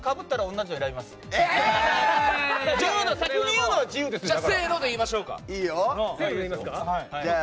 じゃあせーので言いましょう。